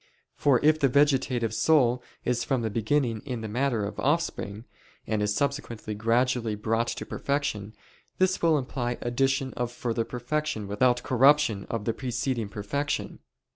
For if the vegetative soul is from the beginning in the matter of offspring, and is subsequently gradually brought to perfection; this will imply addition of further perfection without corruption of the preceding perfection.